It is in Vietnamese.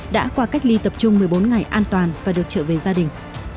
đã qua cách ly tập trung một mươi bốn ngày an toàn và được trở về gia đình